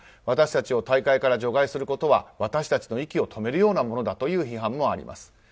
私たちを大会から除外することは私たちの息を止めるようなものだという批判もあります。